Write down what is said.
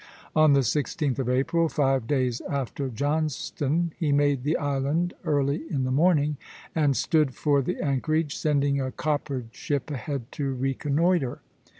On the 16th of April, five days after Johnstone, he made the island early in the morning and stood for the anchorage, sending a coppered ship ahead to reconnoitre.